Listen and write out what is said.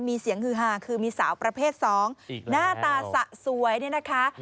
มีเสียงฮือฮาคือมีสาวประเภท๒หน้าตาสะสวยเนี่ยนะคะ